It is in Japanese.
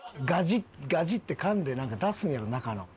ガジって噛んでなんか出すんやろ中の。